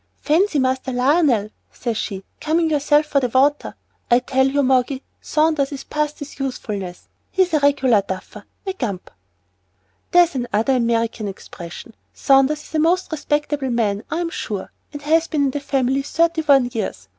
'Fancy, Master Lionel,' says she, 'coming yourself for 'ot water!' I tell you, Moggy, Saunders is past his usefulness. He's a regular duffer a gump." "There's another American expression. Saunders is a most respectable man, I'm sure, and has been in the family thirty one years.